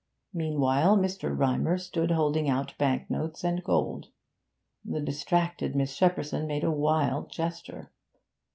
Meanwhile Mr. Rymer stood holding out banknotes and gold. The distracted Miss Shepperson made a wild gesture.